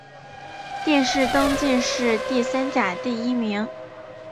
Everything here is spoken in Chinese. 殿试登进士第三甲第一名。